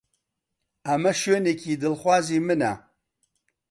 ئەمە شوێنی دڵخوازی منە.